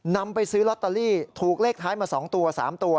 นำไปซื้อลอตเตอรี่ถูกเลขท้ายมา๒ตัว๓ตัว